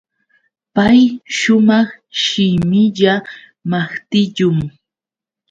Pay shumaq shimilla maqtillum.